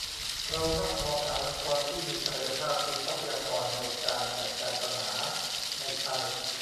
เรามักมองหาองค์กรที่มีศักยภาพมีทรัพยากรในการจัดการปัญหา ในไทย